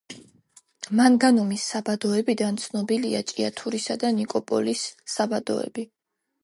მანგანუმის საბადოებიდან ცნობილია ჭიათურისა და ნიკოპოლის საბადოები.